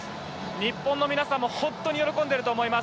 日本の皆さんも本当に喜んでいると思います。